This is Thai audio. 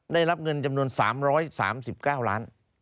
ได้รับเงินจำนวน๓๓๙ล้าน